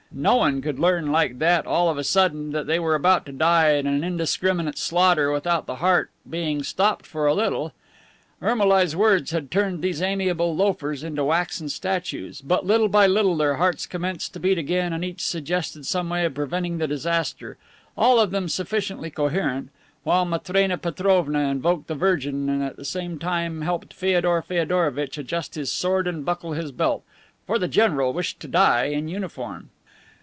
No one could learn like that, all of a sudden, that they were about to die in an indiscriminate slaughter without the heart being stopped for a little. Ermolai's words had turned these amiable loafers into waxen statues, but, little by little, their hearts commenced to beat again and each suggested some way of preventing the disaster all of them sufficiently incoherent while Matrena Petrovna invoked the Virgin and at the same time helped Feodor Feodorovitch adjust his sword and buckle his belt; for the general wished to die in uniform.